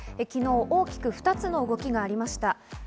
昨日、大きく２つの動きがありました。